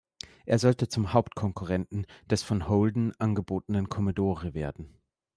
Er sollte zum Hauptkonkurrenten des von Holden angebotenen Commodore werden.